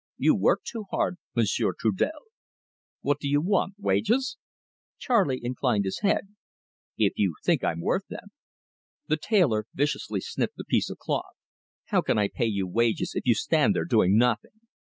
You work too hard, Monsieur Trudel." "What do you want wages?" Charley inclined his head. "If you think I'm worth them." The tailor viciously snipped a piece of cloth. "How can I pay you wages, if you stand there doing nothing?"